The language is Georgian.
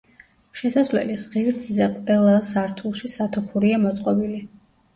შესასვლელის ღერძზე ყველა სართულში სათოფურია მოწყობილი.